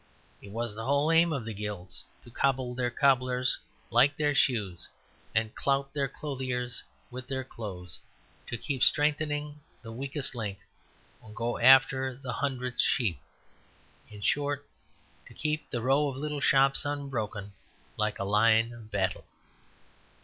It was the whole aim of the Guilds to cobble their cobblers like their shoes and clout their clothiers with their clothes; to strengthen the weakest link, or go after the hundredth sheep; in short, to keep the row of little shops unbroken like a line of battle.